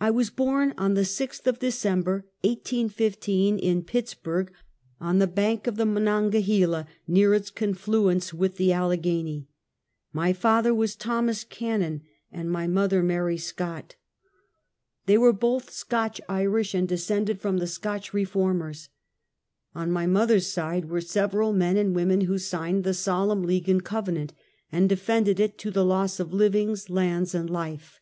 I was born on the 6th of December, 1815, in Pitts burg, on the bank of the Monongahela, near its con fluence with the Allegheny. My father was Thomas Cannon, and my mother Mary Scott. They were I Find Life. 11 both Scotch Irisli and descended from the Scotch Re formers. On mj mother's side were several men and women who signed the "Solemn League and Cove nant," and defended it to the loss of livings, lands and life.